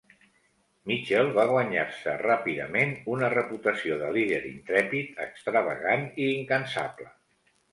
Mitchell va guanyar-se ràpidament una reputació de líder intrèpid, extravagant i incansable.